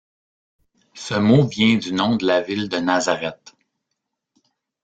Ce mot vient du nom de la ville de Nazareth.